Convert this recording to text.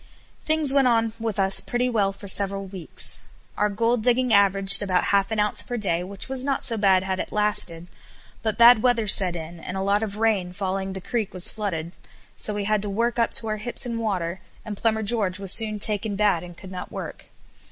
Things went on with us pretty well for several weeks. Our gold digging averaged about half an ounce per day, which was not so bad had it lasted; but bad weather set in and, a lot of rain falling, the creek was flooded, so we had to work up to our hips in water, and Plumber George was soon taken bad and could not work.